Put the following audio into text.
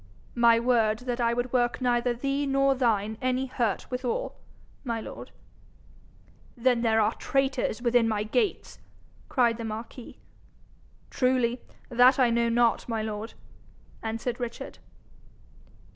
'My word that I would work neither thee nor thine any hurt withal, my lord.' 'Then there are traitors within my gates!' cried the marquis. 'Truly, that I know not, my lord,' answered Richard.